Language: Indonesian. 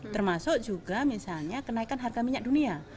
termasuk juga misalnya kenaikan harga minyak dunia